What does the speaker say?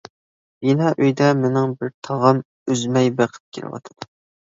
بىنا ئۆيدە مېنىڭ بىر تاغام ئۈزمەي بېقىپ كېلىۋاتىدۇ.